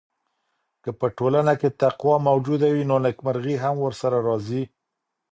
که په ټولنه کي تقوی موجوده وي نو نېکمرغي هم ورسره راځي.